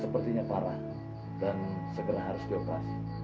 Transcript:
sepertinya parah dan segera harus dioperasi